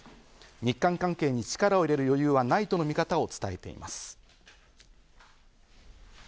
日韓関係に力を入れる余裕はないとの見方を伝えています。